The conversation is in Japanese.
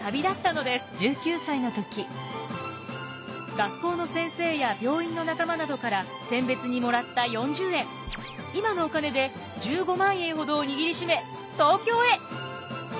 学校の先生や病院の仲間などからせん別にもらった４０円今のお金で１５万円ほどを握りしめ東京へ。